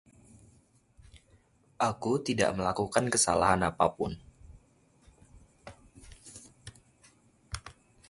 Aku tidak melakukan kesalahan apapun.